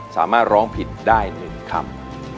สามาร้องผิดได้๑คำ